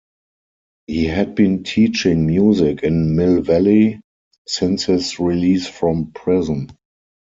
He had been teaching music in Mill Valley since his release from prison.